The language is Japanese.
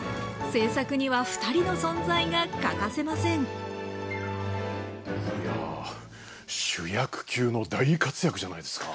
制作には２人の存在が欠かせませんいや主役級の大活躍じゃないですか！